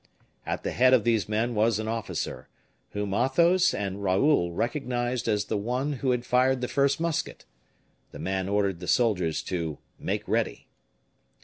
At the head of these men was an officer, whom Athos and Raoul recognized as the one who had fired the first musket. The man ordered the soldiers to "make ready."